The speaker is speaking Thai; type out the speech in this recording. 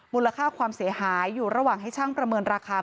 มูลค่าความเสียหายอยู่ระหว่างให้ช่างประเมินราคา